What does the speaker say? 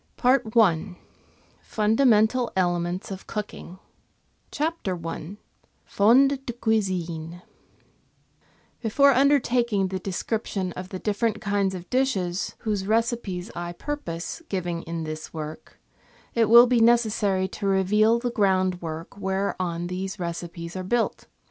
PART I FUNDAMENTAL ELEMENTS OF COOKING CHAPTER I FONDS DE CUISINE Before undertaking the description of the different kinds of dishes whose recipes I purpose giving in this work, it will be necessary to reveal the groundwork whereon these recipes are built.